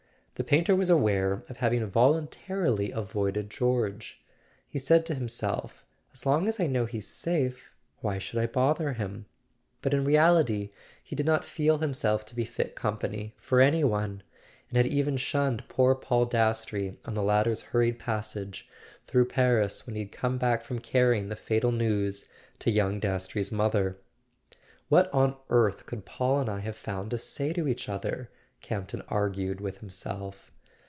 The painter was aware of having voluntarily avoided George. He said to him¬ self: "As long as I know he's safe why should I bother him?" But in reality he did not feel himself to be fit company for any one, and had even shunned poor Paul Dastrey on the latter's hurried passage through [ 356 ] A SON AT THE FRONT Paris, when he had come back from carrying the fatal news to young Dastrey's mother. "What on earth could Paul and I have found to say to each other?" Camp ton argued with himself.